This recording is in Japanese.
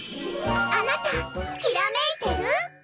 あなたきらめいてる？